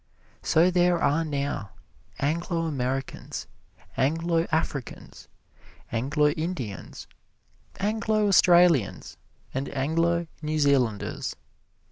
So there are now Anglo Americans, Anglo Africans, Anglo Indians, Anglo Australians, and Anglo New Zealanders.